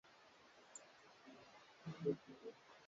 zilitembelewa na mabaharia kutoka nchi za mbali